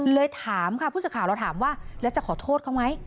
เลยถามค่ะผู้สื่อข่าวเราถามว่าแล้วจะขอโทษเขาไหม